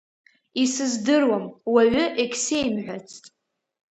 Исыздыруам, уаҩы егьсеимҳәацт.